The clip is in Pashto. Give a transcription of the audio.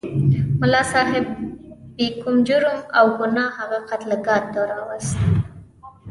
ملا صاحب بې کوم جرم او ګناه هغه قتلګاه ته راوست.